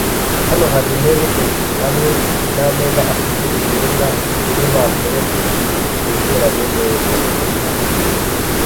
Hano hari intebe ebyiri hamwe nameza afite imyenda n'impapuro zegeranye neza